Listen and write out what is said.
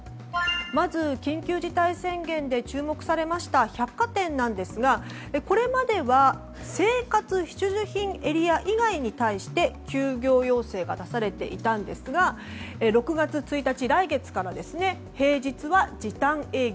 まず、緊急事態宣言で注目されました百貨店なんですがこれまでは生活必需品エリア以外に対して休業要請が出されていたんですが６月１日、来月から平日は時短営業。